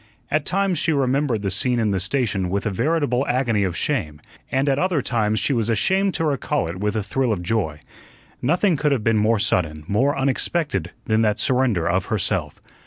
At times she remembered the scene in the station with a veritable agony of shame, and at other times she was ashamed to recall it with a thrill of joy. Nothing could have been more sudden, more unexpected, than that surrender of herself.